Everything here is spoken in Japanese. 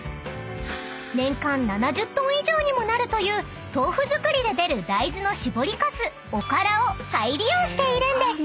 ［年間７０ｔ以上にもなるという豆腐作りで出る大豆の搾りかすおからを再利用しているんです］